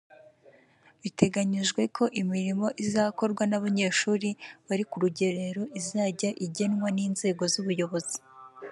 Biteganyijwe ko imirimo izakorwa n’abanyeshuri bari ku rugerero izajya igenwa n’inzego z’ubuyobozi